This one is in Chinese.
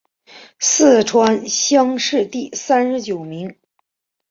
四川乡试第三十九名。